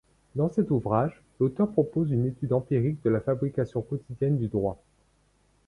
Dans cet ouvrage, l'auteur propose une étude empirique de la fabrique quotidienne du droit.